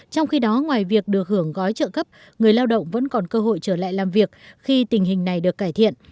trong khi đó ngoài việc được hưởng gói trợ cấp người lao động vẫn còn cơ hội trở lại làm việc khi tình hình này được cải thiện